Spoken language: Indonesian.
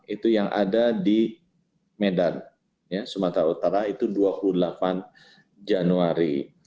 itu yang ada di medan sumatera utara itu dua puluh delapan januari